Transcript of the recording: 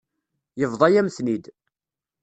Yebḍa-yam-ten-id.